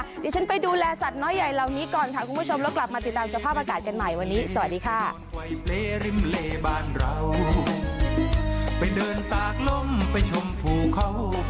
เดี๋ยวฉันไปดูแลสัตว์น้อยใหญ่เหล่านี้ก่อนค่ะคุณผู้ชมแล้วกลับมาติดตามสภาพอากาศกันใหม่วันนี้สวัสดีค่ะ